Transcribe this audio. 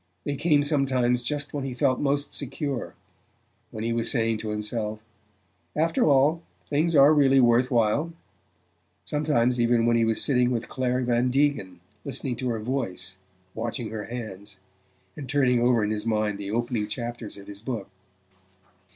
They came sometimes just when he felt most secure, when he was saying to himself: "After all, things are really worth while " sometimes even when he was sitting with Clare Van Degen, listening to her voice, watching her hands, and turning over in his mind the opening chapters of his book.